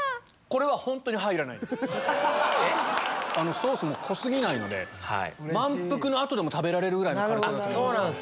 ソースも濃過ぎないので満腹の後でも食べられるぐらいの軽さだと思います。